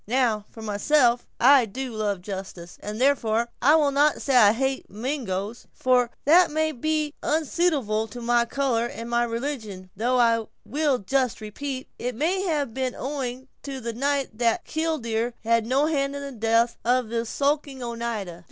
Now, for myself, I do love justice; and, therefore, I will not say I hate a Mingo, for that may be unsuitable to my color and my religion, though I will just repeat, it may have been owing to the night that 'killdeer' had no hand in the death of this skulking Oneida."